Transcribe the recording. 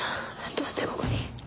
どうしてここに？